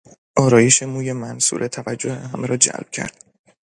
آرایش موی منصوره توجه همه را جلب کرد.